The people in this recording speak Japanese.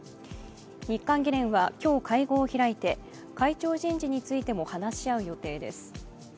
日韓議連は今日、会合を開いて、会長人事についても話し合う予定です。